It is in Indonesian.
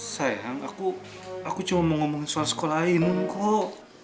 sayang aku aku cuma mau ngomongin soal sekolahin kok